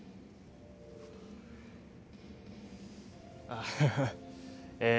アハハえ